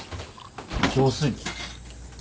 浄水器。